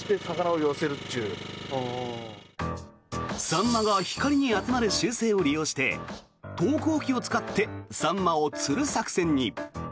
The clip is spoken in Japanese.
サンマが光に集まる習性を利用して投光器を使ってサンマを釣る作戦に。